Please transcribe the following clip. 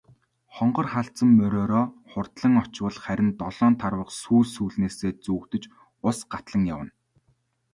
Хонгор халзан мориороо хурдлан очвол харин долоон тарвага сүүл сүүлнээсээ зүүлдэж ус гатлан явна.